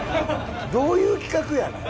どういう企画やねん。